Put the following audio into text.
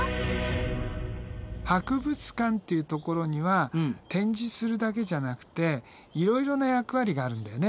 博物館っていうところには展示するだけじゃなくていろいろな役割があるんだよね。